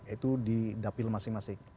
itu di dapil masing masing